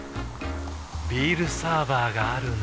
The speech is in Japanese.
ビールサーバーがある夏。